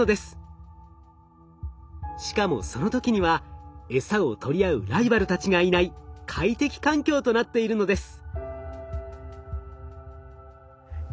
しかもその時にはエサを取り合うライバルたちがいない快適環境となっているのです。